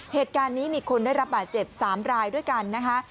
เหตุการณ์นี้มีคนได้รับบาดเจ็บ๓รายด้วยกันนะคะ